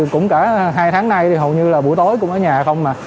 cũng cả hai tháng nay thì hầu như là buổi tối cũng ở nhà không mà